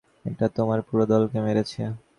এটা তোমার পুরো দলকে মেরেছে।